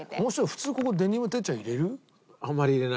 普通ここデニム哲ちゃん入れる？